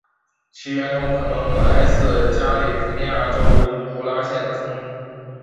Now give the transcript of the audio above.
其源头可能来自加利福尼亚州文图拉县的葱。